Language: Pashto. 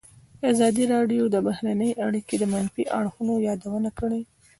ازادي راډیو د بهرنۍ اړیکې د منفي اړخونو یادونه کړې.